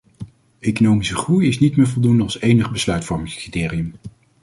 Economische groei is niet meer voldoende als enige besluitvormingscriterium.